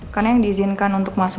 karena yang diizinkan untuk masuk